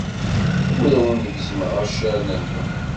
Ur awen-gezzmeɣ accaren-nwen.